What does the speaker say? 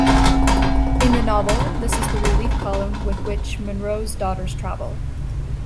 In the novel, this is the relief column with which Monro's daughters travel.